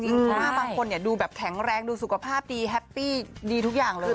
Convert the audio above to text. เพราะว่าบางคนดูแบบแข็งแรงดูสุขภาพดีแฮปปี้ดีทุกอย่างเลย